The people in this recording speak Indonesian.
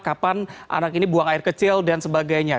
kapan anak ini buang air kecil dan sebagainya